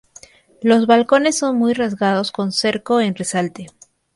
Los balcones son muy rasgados con cerco en resalte.